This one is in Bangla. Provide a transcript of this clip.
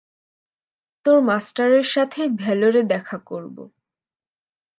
তোর মাস্টারের সাথে ভেলরে দেখা করব।